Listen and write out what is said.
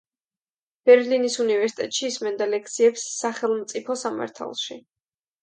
ბერლინის უნივერსიტეტში ისმენდა ლექციებს სახელმწიფო სამართალში.